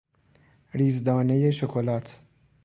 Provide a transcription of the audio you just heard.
ریز دانهی شکلات